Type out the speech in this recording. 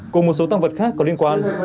cùng một số tăng vật khác có liên quan